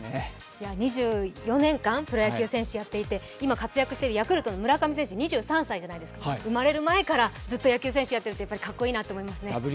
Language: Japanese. ２４年間プロ野球選手やっていて今活躍しているヤクルトの村上選手は２３歳じゃないですか、生まれる前からずっと野球選手やってるってかっこいいと思います。